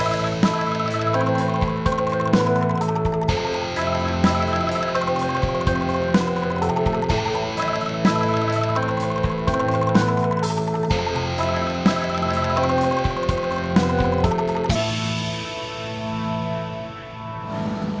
nanti mbak bisa pindah